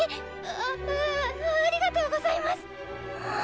あああありがとうございます！